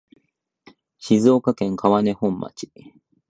静岡県川根本町